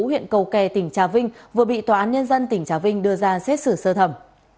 huyện cầu kè tỉnh trà vinh vừa bị tòa án nhân dân tỉnh trà vinh đưa ra xét xử sơ thẩm